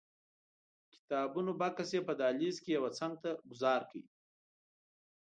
د کتابونو بکس یې په دهلیز کې یوه څنګ ته ګوزار کړ.